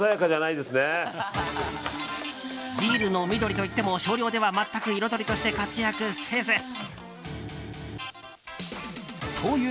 ディルの緑といっても少量では全く彩りとして活躍せず。